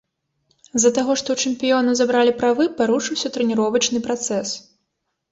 З-за таго, што ў чэмпіёна забралі правы, парушыўся трэніровачны працэс.